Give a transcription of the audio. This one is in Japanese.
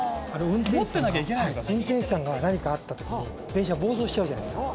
運転士さんが何かあったときに、電車が暴走しちゃうじゃないですか。